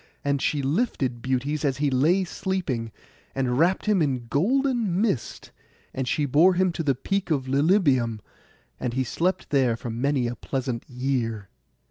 And she lifted Butes as he lay sleeping, and wrapt him in golden mist; and she bore him to the peak of Lilybæum, and he slept there many a pleasant year.